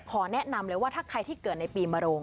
ขอแนะนำเลยว่าถ้าใครที่เกิดในปีมโรง